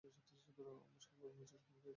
আমরা সফলভাবে মিশন সম্পন্ন করেছি।